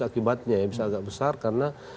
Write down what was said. akibatnya ya bisa agak besar karena